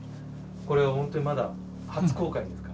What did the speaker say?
これは本当にまだ初公開ですから。